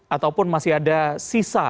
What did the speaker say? ataupun masih ada sisa